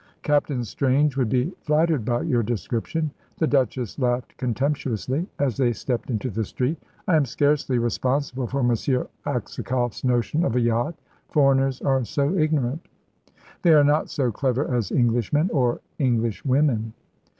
"Captain Strange would be flattered by your description." The Duchess laughed contemptuously as they stepped into the street. "I am scarcely responsible for M. Aksakoff's notion of a yacht. Foreigners are so ignorant." "They are not so clever as Englishmen or Englishwomen."